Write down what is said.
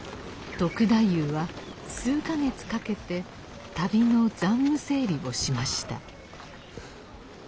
篤太夫は数か月かけて旅の残務整理をしました。